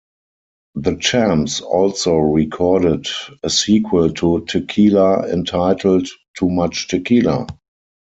The Champs also recorded a sequel to Tequila entitled "Too Much Tequila".